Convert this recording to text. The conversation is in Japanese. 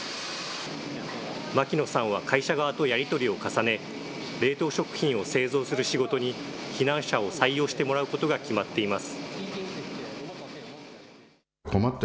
牧野さんは会社側とやり取りを重ね、冷凍食品を製造する仕事に避難者を採用してもらうことが決まっています。